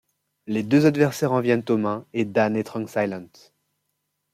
Les deux adversaires en viennent aux mains et Dan étrangle Silent.